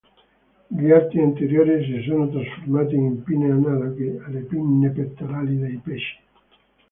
Gli arti anteriori si sono trasformati in pinne analoghe alle pinne pettorali dei pesci.